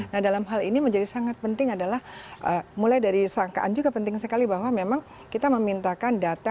nah dalam hal ini menjadi sangat penting adalah mulai dari sangkaan juga penting sekali bahwa memang kita memintakan data